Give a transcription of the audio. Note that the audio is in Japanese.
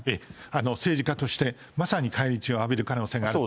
政治家として、まさに返り血を浴びる可能性がある。